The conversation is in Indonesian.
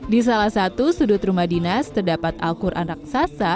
di salah satu sudut rumah dinas terdapat al quran raksasa